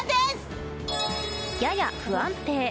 やや不安定。